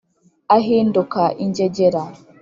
ahinduka ingegera